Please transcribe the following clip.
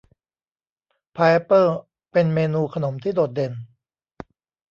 พายแอปเปิ้ลเป็นเมนูขนมที่โดดเด่น